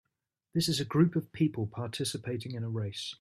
this is a group of people participating in a race